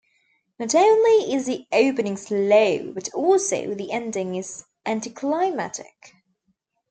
Not only is the opening slow, but also the ending is anticlimactic.